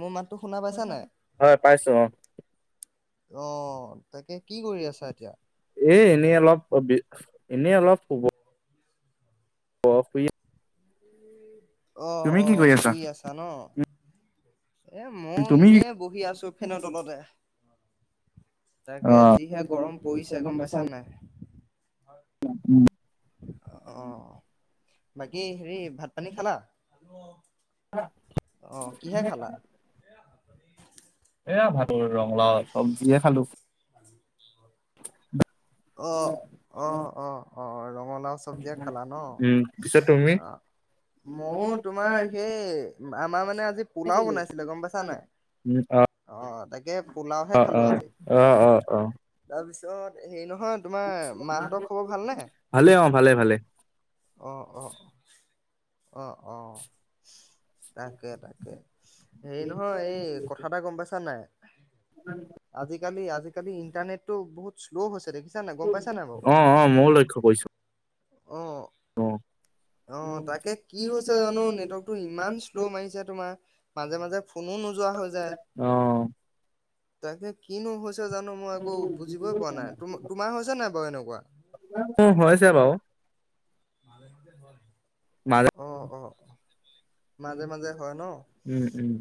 মোৰ মাতটো শুনা পাইছা নাই? হয় পাইছো অহ '। অহ '। এ এনেই অলপ অ বি এনেই অলপ শুব [unintelligible] অহ, তুমি কি অহ, কৰি শুই আছা ন। এ মই তুমি এনে বহি আছো ফেনৰ তলতে। তাকে যিহে গৰম পৰিছে গম পাইছানাই? উম। অহ, বাকী হেৰি ভাত-পানী খালা? খালো অহ '। আহ। কিহে খালা? এয়া ভাতো ৰঙালাও চবজিয়ে খালো। [inaudible] অ, অ, অ'। অ ৰঙলাও চবজিৰে খালা ন। উম পিছে তুমি ময়ো তোমাৰ সেই আমাৰ মানে আ আজি পোলাও বনাইছিলে গম পাইছা নাই। উম অ তাকে পোলাওহে অ খালো অ অ অ অ'। ত হেৰী নহয় তোমাৰ মাহঁতৰ খবৰ ভালনে? ভালে অ। ভালে, ভালে। অ, অ'। অ অ'। তাকে, তাকে। হেৰি নহয় এই কথা এটা গম পাইছা নাই? আজিকালি, আজিকালি ইন্টাৰনেটটো বহুত শ্ল হৈছে দেখি অ' অ' ময়ো লক্ষ্য কৰিছো অ! অ অ তাকে কি হৈছে জানো নেটৱৰ্কটো ইমান শ্ল' মাৰিছে তোমাৰ। মাজে মাজে, ফোনো নোযোৱা হৈ যায়। অ, তাকে কিনো হৈছে। জানো মই একো বুজিবই পৰা নাই ত তোমাৰ হৈছে নাই বাৰু এনেকুৱা। মোৰ হৈছে বাৰু [inaudible] মা অ', অ', মাজে উম উম!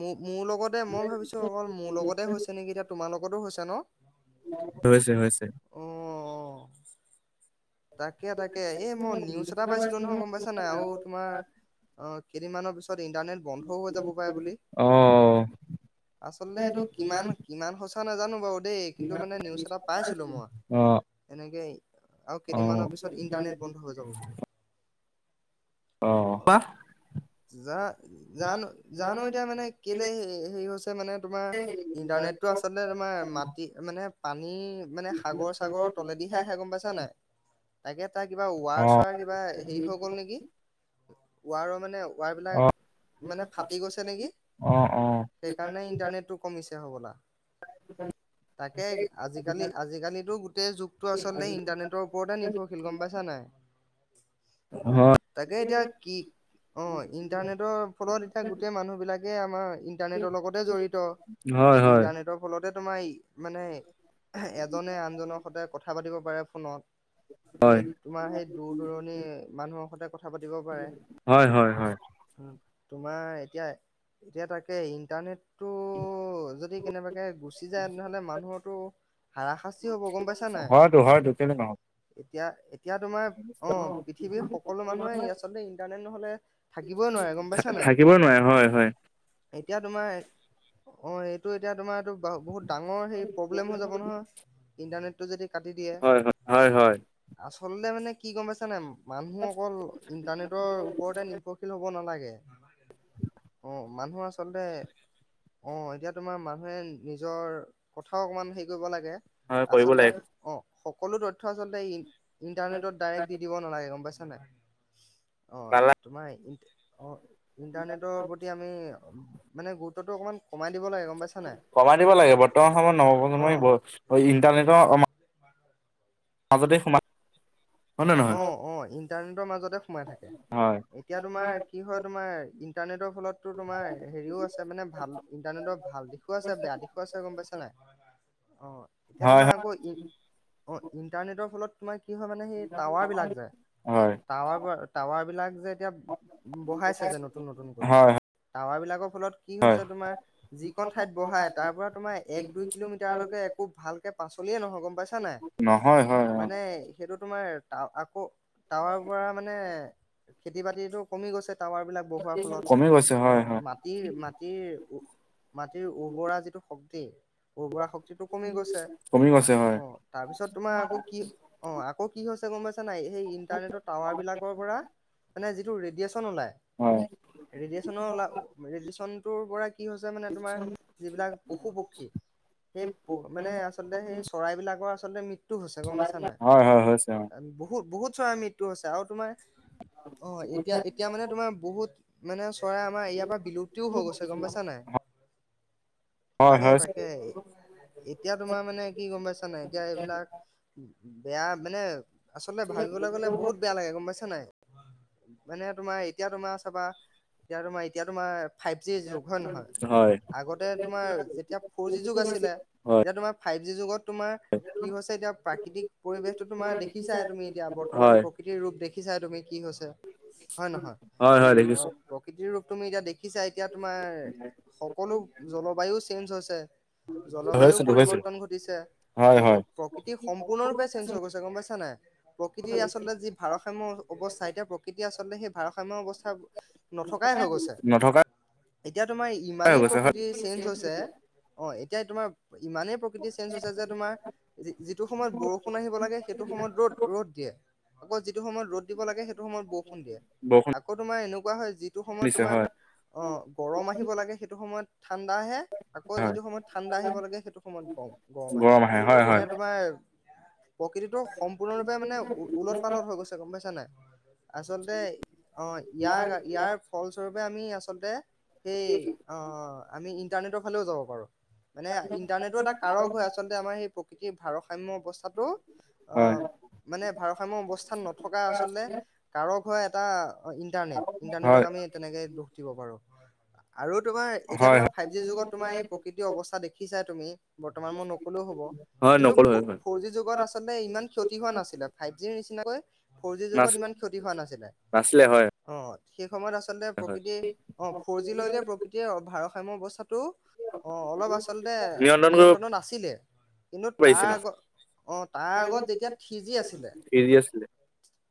মোক, মোৰ লগতে মই ভাবিছো অকল মোৰ লগতে হৈছে নেকি এতিয়া তোমাৰ লগতো হৈছে। ন হৈছে হৈছে। অ', অ'। তাকে তাকে এই মই নিউজ এটা পাইছিলো নহয় গম পাইছা নাই আৰু তোমাৰ অ মানৰ পিছ, ইণ্টাৰনেট বন্ধও হৈ যাব পাৰে বুলি অ আচলতে সেইটো কিমান কিমান সঁচা। নে নাজানো বাৰু দেই কিন্তু মানে নিউজ এটা পাইছিলো মই অ এনেকে আৰু অ কেইদিনমানৰ পিছত ইণ্টাৰনেট বন্ধ হৈ যাব বুলি। অ যা জানো জানো এতিয়া মানে কেলে হেৰি! হৈছে মানে তোমাৰ ইণ্টাৰনেটটো আচলতে তোমাৰ মাটি মানে তনি মানে সাগৰ চাগৰ তলেদিহেহে গম পাইছা নাই, তাকে [inaudible] এটা কিবা ৱাৰ অ চোৱাৰ কিবা হেৰি হৈ গ'ল নেকি। ৱাৰ মানে, ৱায়াৰ বিলাক অ মানে ফাটি গৈছে নেকি অ অ সেইকাৰণে ইণ্টাৰনেটটো কমিছে। হ'বলা, তাকে আজিকালি আজিকালি গোটেই যুগতটো আচলতে ইন্টাৰনেটৰ। গম পাইছা নাই অঁ তাকে এতিয়া কি অঁ ইন্টাৰনেটৰ ফলত এতি গোট মানুাক, তাকে আমাৰ, ইণ্টাৰনেটৰ লগতে জড়িত হয় হয় ইণ্টাৰনেটৰ ফলতে, তোমাৰ ই মানে এজনে আনজনৰ সতৈ কথা পাতিব পাৰে। ফনত সেই হয় তোমাৰ সেই, দূৰ দূৰণি মানুহৰ সতে হয় হয় হয়। তোমাৰ এতিয়া এতিয়া তাকে ইণ্টাৰনেটতটো যদি কেনেবাকে গুচি যায় তেনেহ'লে মানুহটো হাৰা খাচটি হয়তো, হয়তো কিয়নো নহয় তেতিয়া এতিয়া তোমাৰ অঁ পৃথিৱীৰ সকলো মানুহে আচলতে ইণ্টাৰনেট নহলে থাকিবই নোৱাৰে। গম পাইছ নাই। থাকিবই নোৱাৰে হয় হয় এতিয়া তোমাৰ অঁ এইটো এতিয়া তোমাৰ এইটো বহুত ডাঙৰ সেই প্ৰব্লেম হৈ যাব নহয় ইণ্টাৰনেট তটো যদি কাটি দিয়ে হয় হয় হয় হয় আচলতে মানে কি হয় গম পাইছানে নাই মানুহ অকল ইণ্টাৰনেটৰ ওপৰতে নিৰ্ভৰশীল হ'ব। [inaudible] অ মানুহ আচলতে অ এতিয়া তোমাৰ মানুহে নিজৰ কথাও অকমান হেৰি কৰিব লাগে হয় কৰিব আচলতে লাগে অ সকলোত উঠচলতে আহ [inaudible] ইণ্টানেটত ডাইৰেক্ দি দিব নালাগে। গম পাইছানে চানয় অ' নালা তোমাৰ অ' ইণ্টাৰনেটৰ প্ৰতি আমি মানে গুৰুত্ব অকমান কমাই দিব লাগে গম পাইছা নাই কমাই দিব লাগে। বৰ্তমান সময়ত অ নৱপ্ৰজন্মই ইণ্টাৰনেটৰ মাজতে সোমাই হয় নে নহয় অ অ ইণ্টাৰনেটৰ মাজতে সোমাই থাকে। হয় এতিয়া তোমাৰ কি হয় তোমাৰ ইণ্টাৰনেটত ফোনত তো তোমাৰ হেৰিও আছে মানে, ভাল ইণ্টাৰনেটৰ ভাল দিশো আছে বেয়া দিশো আছে গম পাইছা নে নাই। অ এতিয়া তোমাৰ আকৌ ই অ ইণ্টাৰনেটৰ ফলত [unintelligible] কি হয় মানে সেই টাৱাৰ বিলাক টাৱাৰ হয় টাৱাৰৰ টাৱাৰবিলাক যে এতিয়া বহাইছে যে নতুন নতুনকৈ হয় হয় টাৱাৰ বিলাকৰ ফলত কি হয় হৈছে তোমাৰ যিকন ঠাইত বহাই তাৰ পৰা তোমাৰ এক দুই কিলোমিটাৰলৈকে একো ভালকে পাচলিয়ে নহয় গম পাইছা নাই নহয় হয় অ মানে সেইটো তোমাৰ আকৌ তাৱাৰ পৰা মানে খেতি বাতিটো কমি গৈছে টাৱাৰ বিলাক বহোৱাৰ ফলত কমি গৈছে হয় অঁ হয় মাটিৰ মাটিৰ মাটিৰ উৰ্বৰা যিটো শক্তি [unintelligible] উৰ্বৰা শক্তিটো কমি গৈছে কমি গৈছে হয় অঁ তাৰ পিছত তোমাৰ আকৌ কি অঁ আকৌ কি হৈছে [unintelligible] সেই ইণ্টাৰনেটৰ টাৱাৰ বিলাকৰ পৰা মানে যি- যিটো ৰেডিয়েচন উলায় হয় ৰেডিয়েচন ওলাল ৰেডিয়েচন [unintelligible] কি হৈছে মানে তোমাৰ যিবিলাক পশু-পক্ষী, সেই প মানে আচলতে সেই চৰাইবলাকৰ আচলতে [unintelligible] পাইছা নাই হয়-হয়-হয়। বহুত, বহুত চৰাই আমি টো হৈছে আৰু তোমাৰ অ' এতিয়া, এতিয়া মানে তোমাৰ বহুত মানে আ চৰাই আমাৰ ইয়াৰ পৰা বিলুপ্তিও হৈ গৈছে গম পাইছা নাই, হয় তাকে হয় তাকে এতিয়া তোমাৰ মানে কি গম পাইছা নাই এতিয়া এইবিলাক বেয়া। মানে। আচলতে ভাবিবলৈ গ'লে বহুত বেয়া লাগে গম পাইছা নাই। মানে তোমাৰ এতিয়া তোমাৰ চাবা, এতিয়া তোমাৰ, এতিয়া তোমাৰ ফাইভ জি যুগ হয়-নহয় হয় আগতে তোমাৰ যেতিয়া ফৰ জি যুগ আছিলে, হয় এতিয়া তোমাৰ ফাইভ জি যুগত তোমাৰ কি হৈছে এতিয়া প্ৰাকৃতিক পৰিৱেশ তোমাৰ দেখিছাই তুমি এতিয়া বৰ্তমান হয় প্ৰকৃতিৰ ৰূপ দেখি দেখিছা তুমি। কি হৈছে হয়, নহয় হয় হয় দেখিছো অ' প্ৰকৃতিৰ তুমি যে দে দেখিছা এতিয়া তোমাৰ সকলো জলবায়ু চেঞ্জ হৈছে। জলবায়ু হৈছেতো হৈছে পৰিৱৰ্তন ঘটিছে হয় হয় প্ৰ-প্ৰকৃতি সম্পূৰ্ণৰূপে চেঞ্জ হৈ গৈছে। গম পাইছা নাই প্ৰকৃতিৰ আচলতে যি ভাৰসাম্য অৱস্থা এতিয়া প্ৰকৃতি আচলতে সেই ভাৰসাম্য অৱস্থা নথকাই হৈ গৈছে, নথকা এতিয়া তোমাৰ হৈ ইমানেই গৈছে হয় প্ৰকৃতি চেঞ্জ হৈছে অ' এতিয়া তোমাৰ ইমানেই প্ৰকৃতি চেঞ্জ হৈছে যে তোমাৰ যিটো সময়ত বৰষুণ আহিব লাগে সেইটো সময়ত ৰ'দ-ৰ'দ দিয়ে আকৌ, যিটো সময়ত ৰ'দ দিব লাগে সেইটো সময়ত বৰষুণ দিয়ে বৰষুণ আকৌ তোমাৰ এনেকুৱা হয়, যিটো সময়ত দিছে তোমাৰ হয় অ' গৰম আহিব লাগে সেইটো সময়ত সময়ত ঠাণ্ডা আহে আকৌ হয় যিটো সময়ত ঠাণ্ডা আহিব লাগে সেইটো সময়ত গৰম, গৰম আহে মানে তোমাৰ ক সিটো সম্পূৰ্ণৰূপে মানে উলট-পালত হৈ গৈছে গম পাইছ নাই। আচলতে অ' ইয়াৰ-ইয়াৰ ফলস্বৰূপে আমি আচলতে সেই অ' আমি ইণ্টাৰনেটৰ ফালেও যাও বাৰ মানে ইণ্টাৰনেটো এটা কাৰক হয় আচলতে আমাৰ সেই প্ৰকৃতিৰ ভাৰসাম্য অৱস্থাটো হয় আহ, মানে ভাৰসাম্য অৱস্থাত নথকা আচলতে কাৰক হয় এটা ইণ্টাৰনেট, হয় ইণ্টাৰনেটক আমি তেনেকে দুখ দিব পাৰো। আৰু তোমাৰ এতিয়া হয় তোমাৰ ফাইভ জি যুগত তোমাৰ এই প্ৰকৃৃত অৱস্থা দেখিছা তুমি বৰ্তমান মোৰ নকলেও হ'ব হয় কিন্তু নকলো হয় হয় ফৰ জি যুগত আ ইমান ক্ষতি হোৱা নাছিলে, ফাইভ জি চিনাকৈ ফৰ জি যুগত নাচ ইমান ক্ষতি হোৱা নাছিলে, নাছিলে হয় অ। সেই সময়ত আচলতে হয় প্ৰকৃতি অ ফৰ জি লৈ যে প্ৰকৃতিৰ ভাৰ- সময় বৱস্থাত টো, অ অলপ আচলতে নিয়ন্ত্ৰণ কৰিব নিয়ন্ত্ৰণত আছিলে, কিন্তু তাৰ পাৰিছিল আগত, অ তাৰ আগত যেতিয়া থ্ৰি জি আছিলে ফ্ৰী আছিলে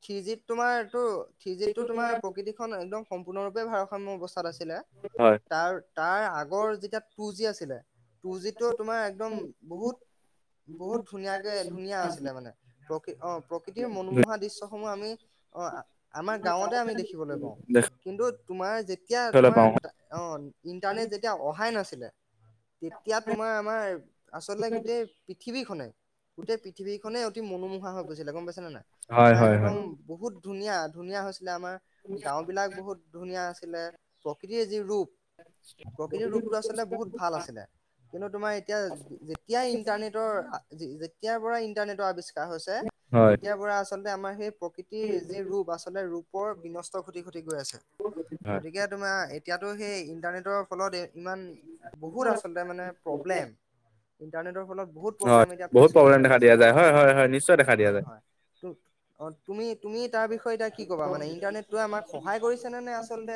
থ্ৰি জিত তোমাৰ এইটো থ্ৰি জিত টো তোমাৰ প্ৰকৃতিখন একদম সম্পূৰ্ণৰূপে ভাৰ সময় ব্যৱ আছিলে, হয় তাৰ তাৰ আগৰ যেতিয়া টু জি আছিলে টু জিটো তোমাৰ একদম বহুত বহুত ধুনীয়াকে আছিলে মানে প্ৰকি অ। প্ৰকৃতিৰ মনোমোহা দৃশ্যসমূহ আমি অ আমাৰ গাঁৱতে আমি দেখিবলৈ পাওঁ, কিন্তু তোমাৰ যেতিয়া দেখিবলৈ তোমাৰ পাওঁ অ ইণ্টাৰনেট যেতিয়া অহাই নাছিলে তেতিয়া তোমাৰ আমাৰ আচলতে গোটেই টিভিখনে গোটেই থিৱীখনে অতি মনোমোহা হৈ গৈছিলে গম পাইছে নে নাই হয় মই হয় হয় একদম বহুত ধুনীয়া, ধুনীয়া হৈছে। আছিলে আমাৰ গাওঁ বিলাক বহুত ধুনীয়া আছে আছিলে প্ৰকৃতিৰ যি ৰূপ প্ৰকৃতিৰ ৰূপটো আচলতে বহুত ভাল আছিলে কিন্তু তোমাৰ এতিয়া যেতিয়াই ইন্টাৰনেটৰ [unintelligible] এতিয়া পৰা ইন্টাৰনেটৰ আৱিষ্কাৰ হৈছে। হয় তেতিয়াৰ পৰা আচলতে আমাৰ সেই প্ৰকৃতিৰ যি ৰূপ আচলতে ৰূপৰ বিনষ্ট [unintelligible] হো আছে হয় গতিকে তোমাৰ এতিয়াতো সেই ইণ্টাৰনেটৰ ফলদে ইমান বহুত আচলতে মানে প্ৰব্লেম। ইণ্টাৰনেটৰ ফলত। বহু হয় তপ্ৰব্লেম এতিয়া বহুত টো প্ৰব্লেম বোলে দেখা পাইছে দিয়া যায় মানুহে হয় হয় হয় নিশ্চয় দেখা দিয়া হয় যায় হয় অ তুমি তুমি তাৰ বিষয়ে এতিয়া কি কবা মানে ইণ্টাৰনেটতো এ আমাক সহায় কৰিছে নে নে আচলতে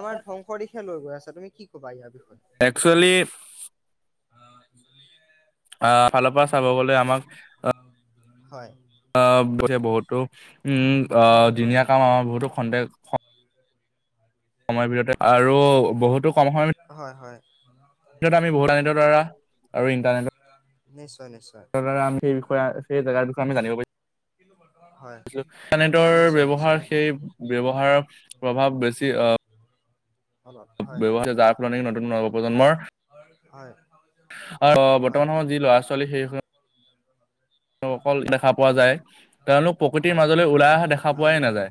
আমাৰ ধ্বংস দিশে লৈ গৈ আছে। ত আপুনি কি কবা ইয়াৰ বিষয়। একচুৱেলি [unintelligible] আহ ফালৰ পৰা চাব গলে আমাক আহ। হয়। আ ব বহুতো উম অ হয় হয় দিনীয়া কাম আমাৰ বহুতো সন্দেহ। সময়ৰ ভিতৰতে আৰু বহুতো কম সময় হয় হয় [unintelligible] দ্বাৰা আৰু ইণ্টাৰনেটত নিশ্চয় নিশ্চয় সেইবাবে আমি বিষয়ে এই জাগাটো কাৰণে জানিব পাৰি হয় ইন্টাৰনেটতটৰ নিশ্চয় ব্যৱহাৰ নিশ্চয় সেই ব্যৱহাৰৰ প্ৰভাৱ বেছি অলপ হয় ব্যয়ৱাৰ হয় হৈছে যাৰ ফলনি নতুন নৱপ্ৰজন্মৰ হয় অঁ হয় বৰ্তমান সময়ত যি ল'ৰা ছোৱালী সেই তেওঁ অকল দেখা পোৱা যায়। তেওঁলোক প্ৰকৃতিৰ মাজলৈ ওলাই অহা দেখা পোৱাই হয় নাযায়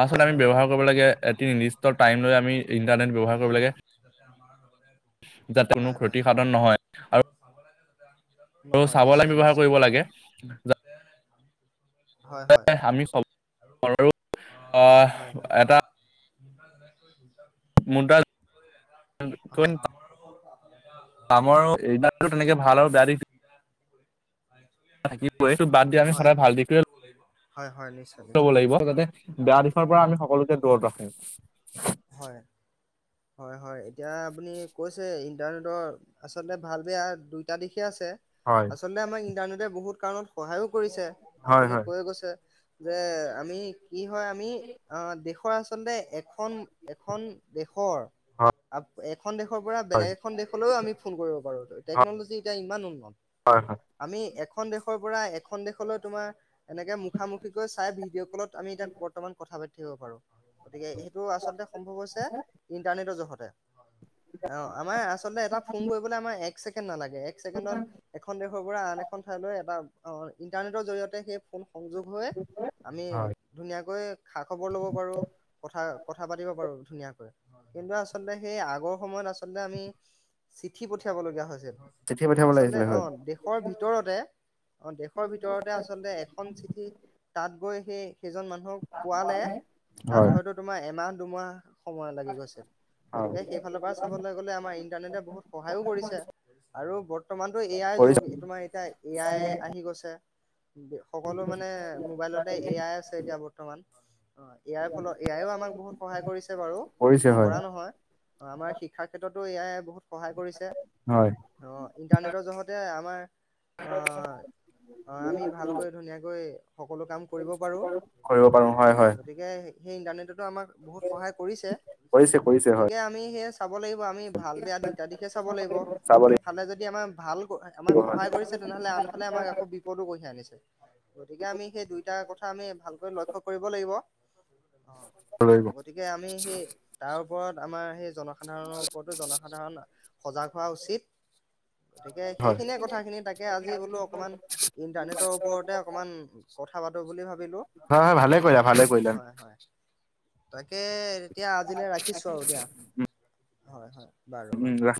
আচলতে আমি ব্যৱহাৰ কৰিব লাগে এটি নিৰ্দিষ্ট টাইম লৈ আমি হয় ইণ্টাৰনেট ব্যৱহাৰ কৰিব লাগে হয় যাতে কোনো ক্ষতি সাধন নহয় হয় আৰু নহয় চাবলৈ নিশ্চয় ব্যৱহাৰ নিশ্চয় কৰিব লাগে। যা হয় এ হয় আমি হয় ছবৰোএটা [inaudible] [unintelligible] হয় তেনেকে ভাল আৰু বেয়া দিশ এইটো বাদ দিয়া আমি হয় হয় সদায় ভাল হয় দি হয় হয় নিশ্চয় লব নিশ্চয় লাগিব যাতে বেয়া দিশৰ পৰা আমি সকলোকে দূৰত ৰাখো। হয় হয় হয়, এতিয়া আপুনি কৈছে ইণ্টাৰনেটৰ আচলতে ভাল বেয়া দুইটা দিশ ঠিকে আছে হয় আচলতে ইন্টাৰনেটতে বহুত কাৰণত সহায় কৰিছে। হয় আপুনি হয় কৈ গৈছে। যে আমি কি হয় আমি অঁ দেখো আচলতে এখন দেশৰ হয় এখন দেশৰ পৰা বেলেগ হয় এখন দেশলৈয়ও আমি ফোন কৰিব পাৰোঁ টেকনলজি এতিয়া ইমান উন্নত। হয় হয় আমি এখন দেশৰ পৰা এখন দেশলৈ তোমাৰ এনেকে মুখামুখিকৈ চাই ভিডিঅ' কলত আমি এতিয়া বৰ্তমান কথা পাতিম। পঠিয়াব পাৰো গতিকে সেইটো আচলতে সম্ভৱ হৈছে ইণ্টাৰনেটৰ জহত হয় অঁ আমাৰ আচলতে এটা ফোন কৰিবলৈ আমাৰ এক এক ছেকেণ্ড নালাগে একছেকেণ্ডত এখন দেশৰ পৰা আন এখন বা অঃ ইণ্টাৰনেটৰ জৰিয়তে সেই সংযোগ হৈ আমি হয় ধুনীয়াকৈ খা খবৰ লব পাৰো কথা কথা পাতিব পাৰো ধুনীয়াকৈ কিন্তু আচলতে সেই আগৰ সময়ত আচলতে আমি চিঠি পঠিয়াব লগীয়া হৈছিল চিঠি পঠিয়াব আচলতে লাগিছিলে অঁ হয় দেশৰ ভিতৰত হেঁ দেশৰ ভিতৰতে আচলতে এখন চিঠি তাত গৈ সেই কেইজন মানুহক পোৱালে তাত হয় হয়তো তোমাৰ এমাহ তোমাৰ সময় লাগি গৈছিল হয় গতিকে সেইফালৰ পৰা চাবলৈ গলে আমাৰ ইন্টাৰনেটে বহুত সহায়ো কৰিছে আৰু বৰ বৰ্তমানটো এ আইৰ কৰিছে যুগ তোমাৰ এতিয়া এ আই আহি গৈছে [inaudible] সকলো মানে মোবাইলতে এ আই আছে এতিয়া বৰ্তমান ইয়াৰ ফলত এ আই আমাক বহুত সহায় কৰিছে বাৰু কৰিছে হয় নকৰা নহয় অঁ আমাৰ শিক্ষাৰ ক্ষেত্ৰত এ আই বহুতো সহায় কৰিছে হয় অ' ইণ্টাৰনেটৰ জহতে আমাৰ [inaudible] অ' অ' আমি ভালকৈ ধুনীয়াকৈ সকলো কাম কৰিব পাৰো কৰিব পাৰো অঁ হয় হয় গতিকে সেই ইণ্টাৰনেটৰ আমাক বহুত সহায় কৰিছে কৰিছে কৰিছে হয় গতিকে আমি সেয়ে চাব লাগিব আমি ভাল বেয়া দুইটা দিশে চাব লাগিব চাব লাগিব এফালে যদি আমাৰ ভাল আমাক হয় সহায় কৰিছে তেনেহলে আনফালে আমক বিপদো কঢ়িয়াই আ ছে গতিকে আমি সেই দুইটা কথা আমি ভালকৈ লক্ষ্য কৰিব লাগিব। অ অ গতিকে আমি সেই তাৰ, ওপৰত আমাৰ সেই জন, সাধাৰণৰ ওপৰতো জনসাধাৰণ সজাগ হোৱা উচিত। গতিকে হয় সেইখিনিয়ে কথা খিনি তাক, আজি বোলো অকমান ইন্টাৰনেটৰ ওপৰতে অকমান কথা পাতো বুলি ভাবিলো হয় ভালে কৰিলা ভালে কৰিলা হয় হয়। তাকে এতিয়া আজিলে ৰাখিছো আৰু দিয়া। হয় হয়! বাৰু উম বাৰু